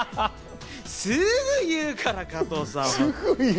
すぐ言うから、加藤さん。